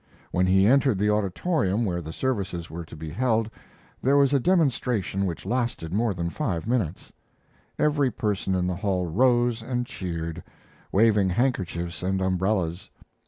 When he entered the auditorium where the services were to be held there was a demonstration which lasted more than five minutes. Every person in the hall rose and cheered, waving handkerchiefs and umbrellas.